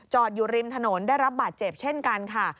อยู่ริมถนนได้รับบาดเจ็บเช่นกันค่ะ